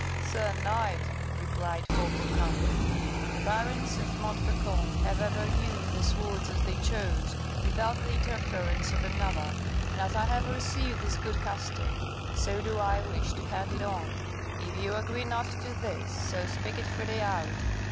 "Sir knight," replied Folko, calmly, "the barons of Montfaucon have ever used their swords as they chose, without the interference of another; and as I have received this good custom, so do I wish to hand it on. If you agree not to this, so speak it freely out.